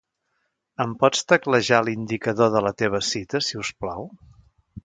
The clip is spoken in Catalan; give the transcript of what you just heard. Em pots teclejar l'indicador de la teva cita, si us plau?